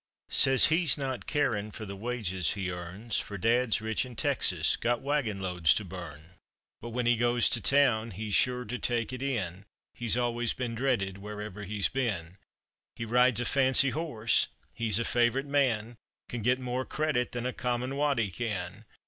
Says he's not carin' for the wages he earns, For Dad's rich in Texas, got wagon loads to burn; But when he goes to town, he's sure to take it in, He's always been dreaded wherever he's been. He rides a fancy horse, he's a favorite man, Can get more credit than a common waddie can.